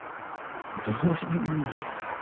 どういう意味や。